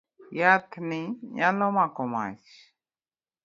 Yath ni nyalo mako mach.